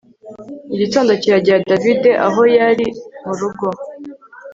igitondo kiragera david aho ari murugo